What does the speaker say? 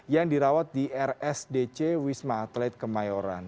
yang dirawat di rsdc wisma atlet kemayoran